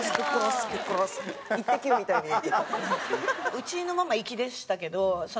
うちのママ粋でしたけど。